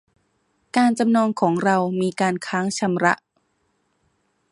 การจำนองของเรามีการค้างชำระ